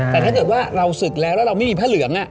แต่ถ้าเกิดว่าเราศึกแล้วแล้วเราไม่มีผ้าเหลือง